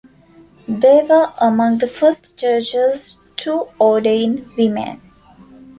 They were among the first churches to ordain women.